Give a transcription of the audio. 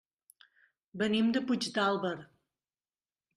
Venim de Puigdàlber.